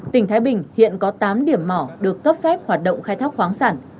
tỉnh thái bình hiện có tám điểm mỏ được cấp phép hoạt động khai thác khoáng sản